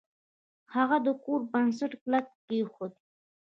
هغه د کور بنسټ کلک کیښود.